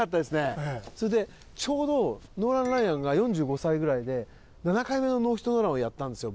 それでちょうどノーラン・ライアンが４５歳ぐらいで７回目のノーヒットノーランをやったんですよ